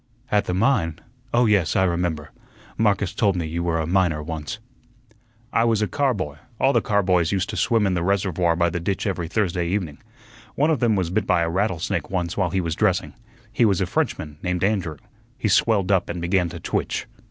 "At the mine? Oh, yes, I remember, Marcus told me you were a miner once." "I was a car boy; all the car boys used to swim in the reservoir by the ditch every Thursday evening. One of them was bit by a rattlesnake once while he was dressing. He was a Frenchman, named Andrew. He swelled up and began to twitch."